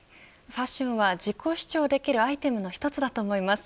ファッションは自己主張できるアイテムの一つだと思います。